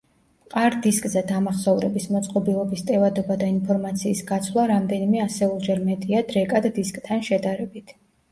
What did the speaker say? მყარ დისკზე დამახსოვრების მოწყობილობის ტევადობა და ინფორმაციის გაცვლა რამდენიმე ასეულჯერ მეტია დრეკად დისკთან შედარებით.